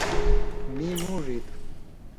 می موڙ ایتو